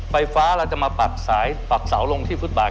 ไฟฟ้าเราจะมาปักสายปักเสาลงที่ฟุตบาท